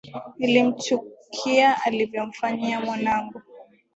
Nilimchukia alivyomfamyia mwanangu.